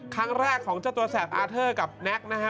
ครั้งแรกของเจ้าตัวแสบอาเทอร์กับแน็กนะฮะ